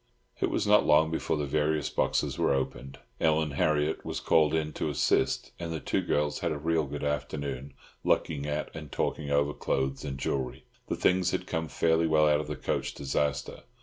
It was not long before the various boxes were opened. Ellen Harriott was called in to assist, and the two girls had a real good afternoon, looking at and talking over clothes and jewellery. The things had come fairly well out of the coach disaster.